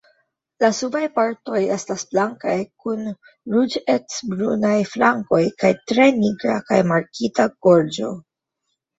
La subaj partoj estas blankaj kun ruĝecbrunaj flankoj kaj tre nigra kaj markita gorĝo.